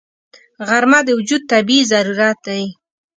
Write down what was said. غرمه د وجود طبیعي ضرورت دی